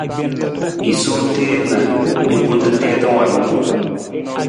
I sowa teen na i kunta tiita waalung.